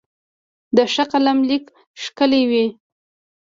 د ښه قلم لیک ښکلی وي.